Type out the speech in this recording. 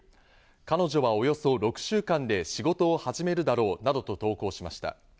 彼女はおよそ６週間で仕事を始めるだろうなどと投稿しました。